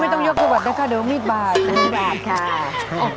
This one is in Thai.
ไม่ต้องยกสวัสดีค่ะเดี๋ยวมีบาทมีบาทค่ะ